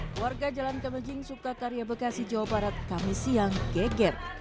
keluarga jalan kemejing sukakarya bekasi jawa barat kami siang geger